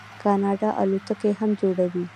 کاناډا الوتکې هم جوړوي.